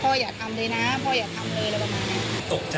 พ่ออย่าทำเลยอะไรประมาณนี้ก็ตกใจไม่คิดว่าเขาจะเอามา